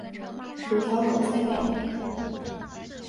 有条狗塞在里面